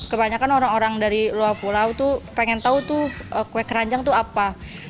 kebanyakan orang orang dari luar pulau tuh pengen tahu tuh kue keranjang itu apa